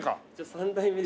３代目。